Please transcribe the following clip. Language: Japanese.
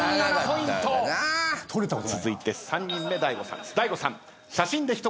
続いて３人目大悟さんです。